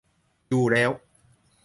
อยู่แล้ว